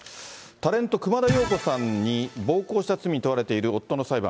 タレント、熊田曜子さんに暴行した罪に問われている夫の裁判。